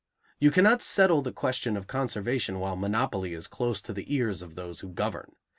You can not settle the question of conservation while monopoly is close to the ears of those who govern.